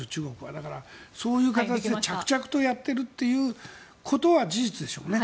だからそういう形で着々とやっているということは事実でしょうね。